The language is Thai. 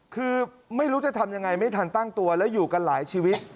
คือไม่รู้จะทำยังไงไม่ทันตั้งตัวแล้วอยู่กันหลายชีวิต